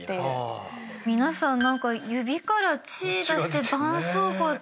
皆さん指から血出してばんそうこうって。